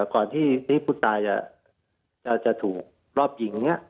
ก่อนที่ที่ผู้ตายจะจะถูกรอบยิงเนี้ย